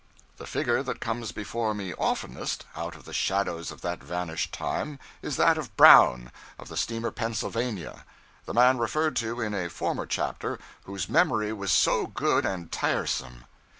The figure that comes before me oftenest, out of the shadows of that vanished time, is that of Brown, of the steamer 'Pennsylvania' the man referred to in a former chapter, whose memory was so good and tiresome.